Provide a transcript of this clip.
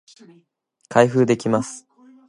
開封できます